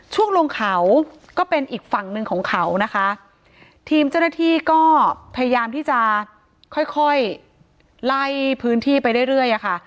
ช่วงลงเขาก็เป็นอีกฝั่งหนึ่งของเขานะคะทีมเจ้าหน้าที่ก็พยายามที่จะค่อยค่อยไล่พื้นที่ไปเรื่อยเรื่อยอะค่ะ